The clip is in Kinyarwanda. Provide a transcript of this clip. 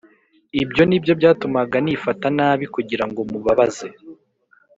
Ibyo ni byo byatumaga nifata nabi kugira ngo mubabaze